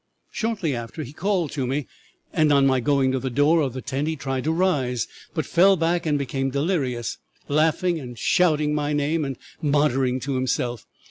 Shortly after he called to me, and on my going to the door of the tent he tried to rise, but fell back and became delirious, laughing and shouting my name, and muttering to himself.